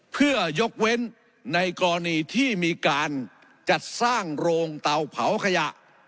เพื่อยกเว้นในกรณีที่มีการจัดสร้างโรงเตาเผาขยะ